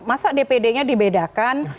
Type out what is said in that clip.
masa dpd nya dibedakan